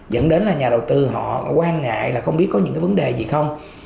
dẫn đến là nhà đầu tư họ quan ngại là không biết có những cái vấn đề gì không